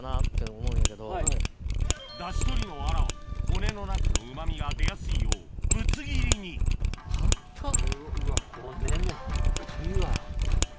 出汁取りのアラは骨の中のうま味が出やすいようぶつ切りにすっごい。